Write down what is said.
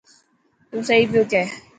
تون صحيح پيو ڪيهه.